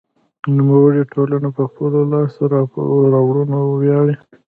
نوموړې ټولنه په خپلو لاسته راوړنو ویاړي.